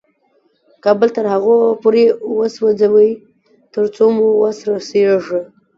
کابل تر هغو پورې وسوځوئ تر څو مو وس رسېږي.